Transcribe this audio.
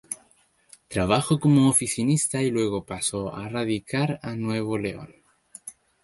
Trabajó como oficinista y luego pasó a radicar a Nuevo León.